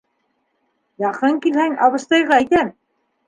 Яҡын килһәң, абыстайға әйтәм!